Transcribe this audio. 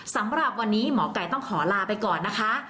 สำหรับวันนี้หมอไก่ต้องขอลาไปก่อนนะคะ